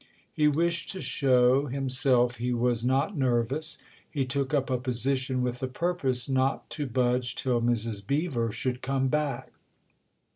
He wished to show himself he was not nervous ; he took up a position with the purpose not to budge till Mrs. Beever should come back.